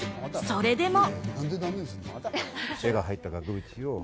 それでも。